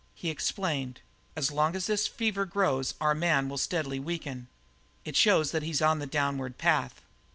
He explained: "As long as this fever grows our man will steadily weaken; it shows that he's on the downward path.